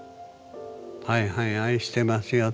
「はいはい愛してますよ」